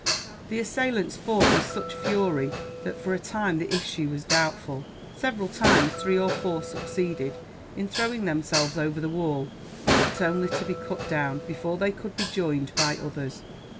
The assailants fought with such fury that, for a time, the issue was doubtful. Several times, three or four succeeded in throwing themselves over the wall; but only to be cut down, before they could be joined by others.